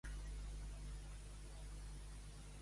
Si ets servit.